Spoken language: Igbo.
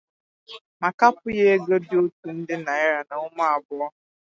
ma kapụ ya ego dị otu nde naịra na ụma abụọ.